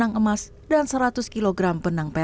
yang terletak di mekah arab saudi